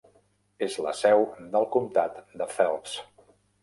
És la seu del comtat de Phelps.